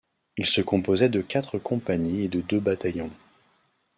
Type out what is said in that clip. Il se composait de quatre compagnies et de deux bataillons.